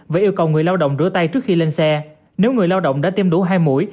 và yêu cầu người lao động rửa tay trước khi lên xe nếu người lao động đã tiêm đủ hai mũi